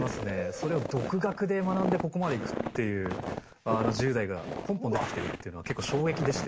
それを独学で学んでここまでいくっていう１０代がポンポン出てきてるっていうのは結構衝撃でして。